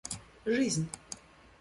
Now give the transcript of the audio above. жизнь